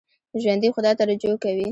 ژوندي خدای ته رجوع کوي